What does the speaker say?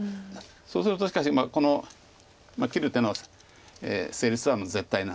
そうするとしかしこの切る手の成立はもう絶対なんで。